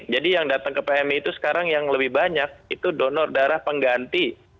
jadi yang datang ke pmi itu sekarang yang lebih banyak itu donor darah pengganti